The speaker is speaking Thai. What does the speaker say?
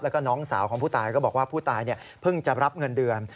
แล้วก็น้องสาวของผู้ตายก็บอกว่าผู้ตายเพิ่งจะรับเงินเดือน